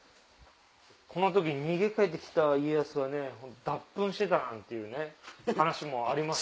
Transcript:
この時に逃げ帰って来た家康はね脱糞してたなんていうね話もあります。